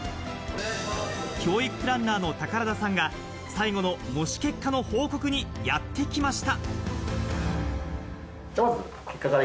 教育プランナーの宝田さんが最後の模試結果の報告にやってきました。